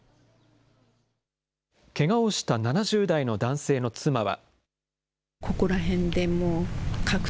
けがをした７０代の男性の妻は。